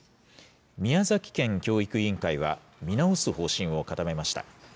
宮崎県教育委員会は、見直す方針を固めました。